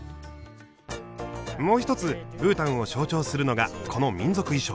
もう一つブータンを象徴するのがこの民族衣装。